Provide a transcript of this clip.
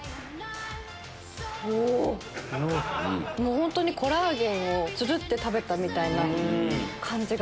本当にコラーゲンをつるって食べたみたいな感じ。